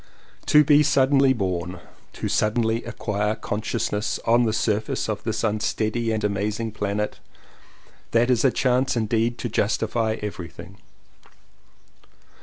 To BE suddenly born, to suddenly acquire consciousness on the surface of this unsteady and amazing planet, that is a chance indeed to justify everything.